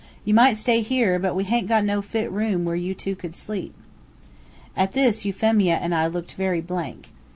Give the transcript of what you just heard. "You might stay here, but we haint got no fit room where you two could sleep." At this, Euphemia and I looked very blank.